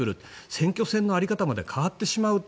選挙戦の在り方まで変わってしまう。